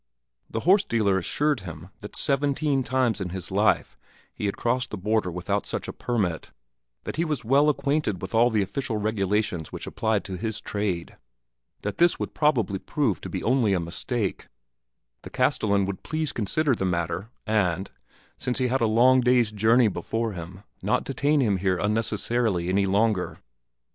The horse dealer assured him that seventeen times in his life he had crossed the border without such a permit; that he was well acquainted with all the official regulations which applied to his trade; that this would probably prove to be only a mistake; the castellan would please consider the matter and, since he had a long day's journey before him, not detain him here unnecessarily any longer.